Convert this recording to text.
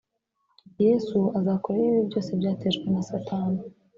yesu azakuraho ibibi byose byatejwe na satani